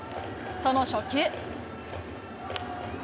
その初球。